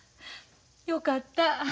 よかった。